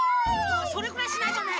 それくらいしないとね。